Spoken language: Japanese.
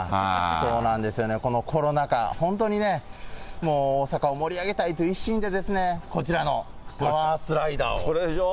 そうなんですよね、このコロナ禍、本当にね、もう大阪を盛り上げたいという一心でですね、こちらのタワースラこれでしょ？